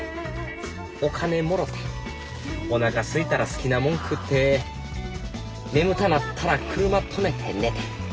おなかすいたら好きなもん食って眠たなったら車止めて寝て。